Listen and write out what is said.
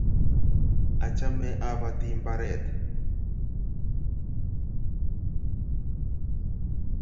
Achame abati mbaret